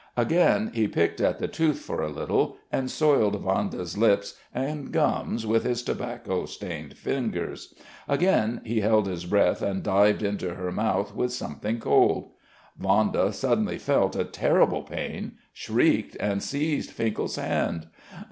Again he picked at the tooth for a little, and soiled Vanda's lips and gums with his tobacco stained fingers. Again he held his breath and dived into her mouth with something cold.... Vanda suddenly felt a terrible pain, shrieked and seized Finkel's hand....